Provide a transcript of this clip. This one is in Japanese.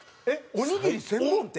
おにぎり専門店？